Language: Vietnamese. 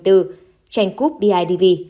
tranh cup bidv